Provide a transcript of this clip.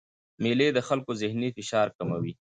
مېلې د خلکو ذهني فشار کموي.